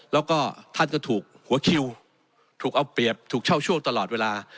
แล้วก็ท่านก็ถูกหัวคิวถูกเอาเปรียบถูกเช่าช่วงตลอดเวลา